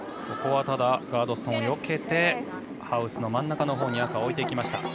ここはガードストーンをよけてハウスの真ん中のほうに赤を置いていきました。